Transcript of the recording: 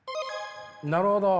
なるほど。